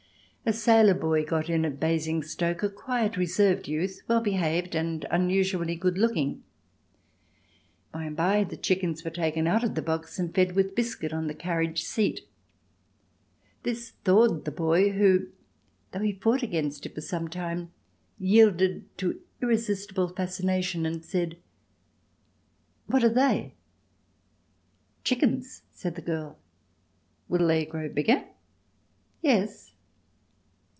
A sailor boy got in at Basingstoke, a quiet, reserved youth, well behaved and unusually good looking. By and by the chickens were taken out of the box and fed with biscuit on the carriage seat. This thawed the boy who, though he fought against it for some lime, yielded to irresistible fascination and said: "What are they?" "Chickens," said the girl. "Will they grow bigger?" "Yes."